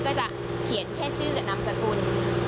ก็จะเขียนแค่ชื่อกับนามสกุล